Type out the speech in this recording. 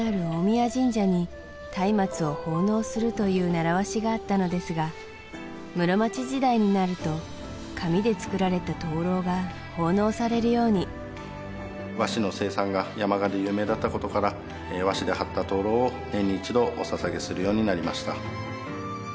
古くからがあったのですが室町時代になると紙で作られた灯籠が奉納されるように和紙の生産が山鹿で有名だったことから和紙で張った灯籠を年に１度おささげするようになりました